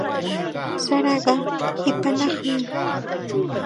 Saraqa hiqanaqmi.